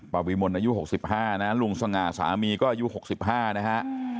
ปวีมลอายุ๖๕นะลุงสง่าสามีก็อายุ๖๕นะฮะ